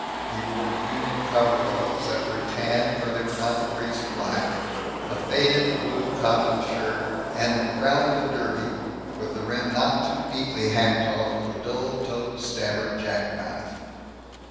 He wore union overalls that were tan where they were not grease black; a faded blue cotton shirt; and the crown of a derby, with the rim not too neatly hacked off with a dull toad stabber jack knife.